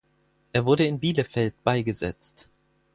Er wurde in Bielefeld beigesetzt.